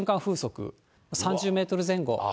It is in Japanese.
風速３０メートル前後。